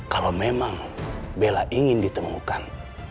kalau memang bella ingin ditemukan